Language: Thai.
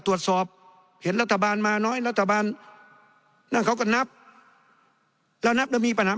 ตรวจสอบเห็นรัฐบาลมาน้อยรัฐบาลนั่นเขาก็นับแล้วนับแล้วมีปัญหา